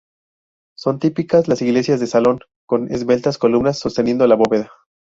Son típicas las iglesias de salón, con esbeltas columnas sosteniendo la bóveda.